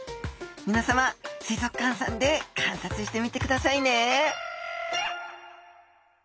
みなさま水族館さんで観察してみてくださいね